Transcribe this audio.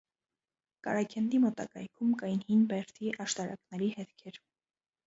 Կարաքենդի մոտակայքում կային հին բերդի աշտարակների հետքեր։